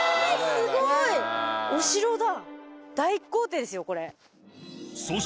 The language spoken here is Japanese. すごい！お城だ。